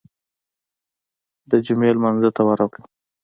د جمعې لمانځه ته ورغلو.